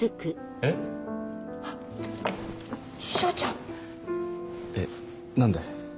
えっ何で。